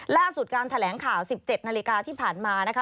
ล่าสุดการแถลงข่าว๑๗นาฬิกาที่ผ่านมานะคะ